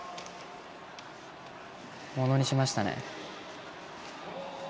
ものにしましたね。